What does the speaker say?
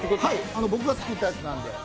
僕が作ったやつなんで。